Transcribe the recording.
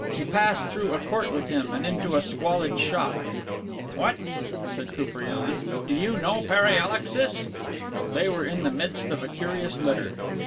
He passed through a court with him, and into a squalid shop. "What," said Koupriane, "do you know Pere Alexis?" They were in the midst of a curious litter.